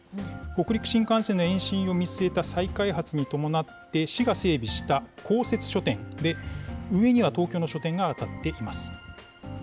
北陸新幹線の延伸を見据えた再開発に伴って、市が整備した公設書店で、運営には東京の書店が当たっています。